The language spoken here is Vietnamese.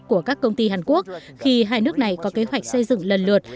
của các công ty hàn quốc khi hai nước này có kế hoạch xây dựng lần lượt